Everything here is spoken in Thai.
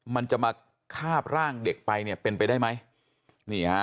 มันจะมาคาบร่างเด็กไปเนี่ยเป็นไปได้ไหมนี่ฮะ